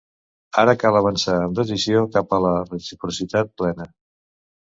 Ara cal avançar amb decisió cap a la reciprocitat plena.